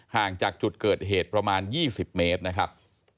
ห่างจากจุดเกิดเหตุประมาณ๒๐เมตรนะครับ